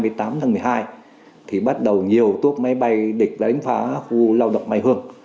vào lúc khoảng độ một mươi ba h ngày hai mươi tám tháng một mươi hai thì bắt đầu nhiều tuốc máy bay địch đánh phá khu lao động mai hương